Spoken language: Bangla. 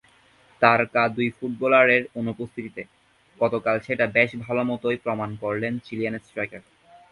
তারকা দুই ফুটবলারের অনুপস্থিতিতে গতকাল সেটা বেশ ভালোমতোই প্রমাণ করলেন চিলিয়ান স্ট্রাইকার।